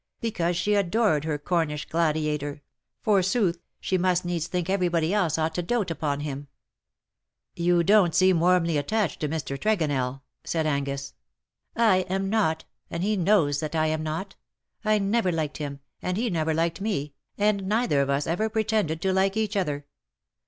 Because she adored her Cornish gladiator, forsooth, she must needs l^iink every body else ought to doat upon him.^^ " You don^t seem warmly attached to Mr. Tre gonelV said Angus. 240 ^' BUT IT SUFFICETH," ETC. ^' I am not — and he knows that I am not. I never liked him, and he never liked me^ and neither of us have ever pretended to li ke each other.